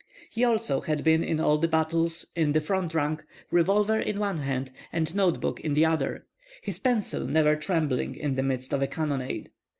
He also had been in all the battles, in the front rank, revolver in one hand and notebook in the other, his pencil never trembling in the midst of a cannonade.